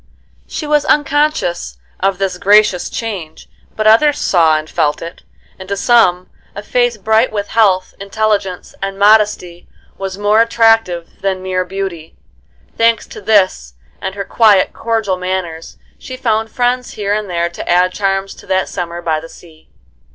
She was unconscious of this gracious change, but others saw and felt it, and to some a face bright with health, intelligence, and modesty was more attractive than mere beauty. Thanks to this and her quiet, cordial manners, she found friends here and there to add charms to that summer by the sea.